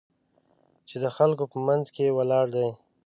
چې د خلکو په منځ کې ولاړ دی.